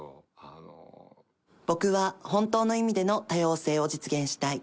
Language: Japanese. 僕は本当の意味での多様性を実現したい。